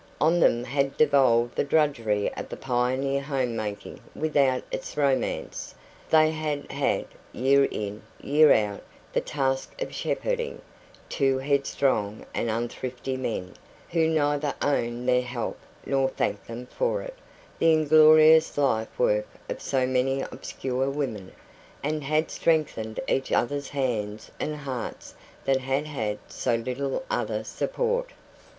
On them had devolved the drudgery of the pioneer home making without its romance; they had had, year in, year out, the task of 'shepherding' two headstrong and unthrifty men, who neither owned their help nor thanked them for it the inglorious life work of so many obscure women and had strengthened each other's hands and hearts that had had so little other support.